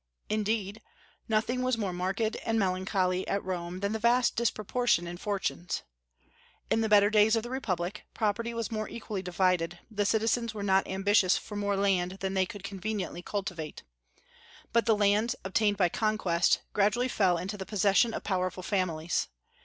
Indeed, nothing was more marked and melancholy at Rome than the vast disproportion in fortunes. In the better days of the republic, property was more equally divided; the citizens were not ambitious for more land than they could conveniently cultivate. But the lands, obtained by conquest, gradually fell into the possession of powerful families.